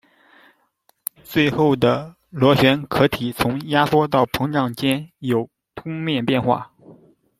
最后的螺旋壳体从压缩到膨胀间有凸面变化。